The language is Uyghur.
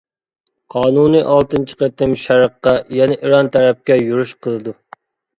قانۇنى ئالتىنچى قېتىم شەرققە، يەنى ئىران تەرەپكە يۈرۈش قىلىدۇ.